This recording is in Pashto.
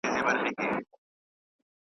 لوی فرعون امر وکړ پر مصریانو .